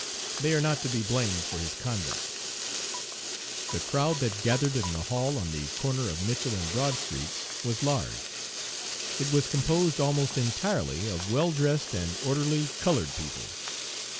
They are not to be blamed for his conduct. "The crowd that gathered in the hall on the corner of Mitchell and Broad Streets was large. It was composed almost entirely of well dressed and orderly colored people.